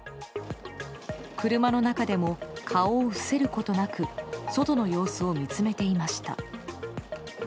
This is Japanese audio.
車の中でも顔を伏せることなく外の様子を見つめていました。